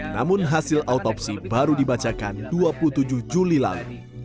namun hasil autopsi baru dibacakan dua puluh tujuh juli lalu